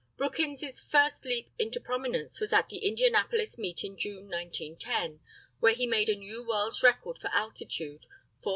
Brookins's first leap into prominence was at the Indianapolis meet, in June, 1910, where he made a new world's record for altitude, 4,803 feet.